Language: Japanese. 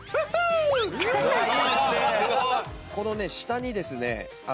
このね下にですね